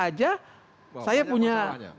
aja saya punya